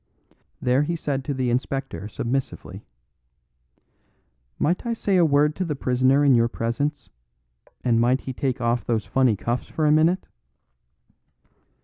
There he said to the Inspector submissively: "Might I say a word to the prisoner in your presence; and might he take off those funny cuffs for a minute?"